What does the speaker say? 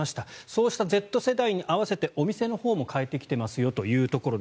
そうしたＺ世代に合わせてお店のほうも変えてきていますよというところ。